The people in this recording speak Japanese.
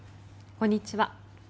こんにちは。